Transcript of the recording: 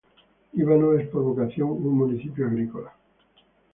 Líbano es por vocación un municipio agrícola.